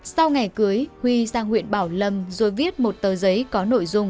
sau ngày cưới huy sang huyện bảo lâm rồi viết một tờ giấy có nội dung